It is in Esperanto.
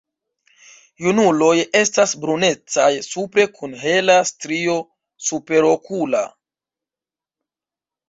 Junuloj estas brunecaj supre kun hela strio superokula.